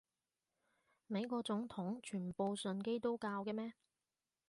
美國總統全部信基督教嘅咩？